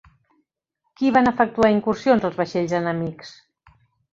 Qui van efectuar incursions als vaixells enemics?